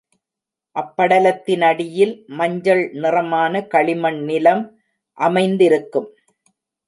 அப்படலத்தினடியில், மஞ்சள் நிறமான களிமண் நிலம் அமைந்திருக்கும்.